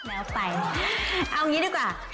แล้วไปเอาอย่างนี้ดีกว่า